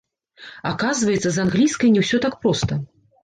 Аказваецца, з англійскай не ўсё так проста.